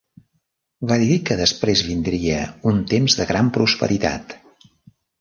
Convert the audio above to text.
Va dir que després vindria un temps de gran prosperitat.